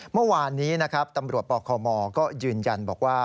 เมื่อวานนี้นะครับตำรวจปคมก็ยืนยันบอกว่า